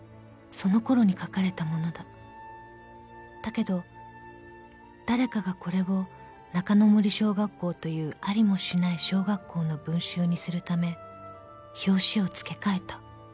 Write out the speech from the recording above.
［だけど誰かがこれを中之森小学校というありもしない小学校の文集にするため表紙を付け替えた］